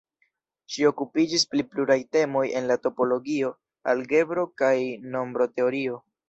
Ŝi okupiĝis pri pluraj temoj en la topologio, algebro kaj nombroteorio.